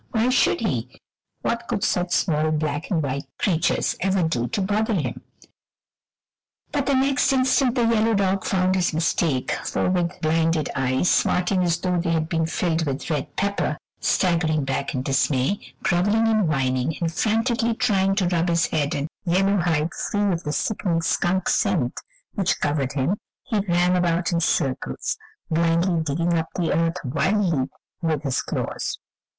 Why should he? What could such small black and white creatures ever do to bother him? But the next instant the yellow dog found out his mistake, for with blinded eyes, smarting as though they had been filled with red pepper, staggering back in dismay, groveling and whining, and frantically trying to rub his head and yellow hide free of the sickening skunk scent which covered him he ran about in circles blindly digging up the earth wildly with his claws.